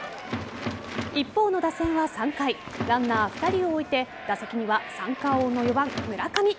一方の打線は３回ランナー２人を置いて打席には三冠王の４番・村上。